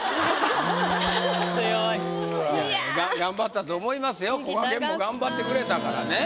強い。頑張ったと思いますよこがけんも頑張ってくれたからね。